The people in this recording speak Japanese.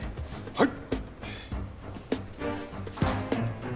はい！